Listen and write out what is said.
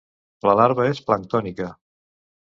La larva és planctònica.